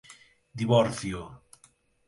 divórcio